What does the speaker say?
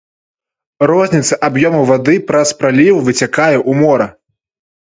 Розніца аб'ёму вады праз праліў выцякае ў мора.